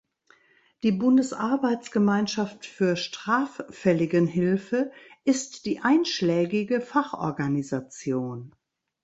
Die Bundesarbeitsgemeinschaft für Straffälligenhilfe ist die einschlägige Fachorganisation.